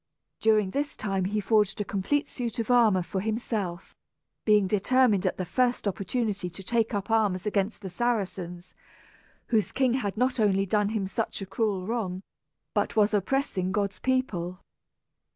During this time he forged a complete suit of armor for himself, being determined at the first opportunity to take up arms against the Saracens, whose king had not only done him such a cruel wrong, but was oppressing God's people.